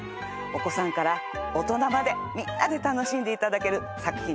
お子さんから大人までみんなで楽しんでいただける作品です。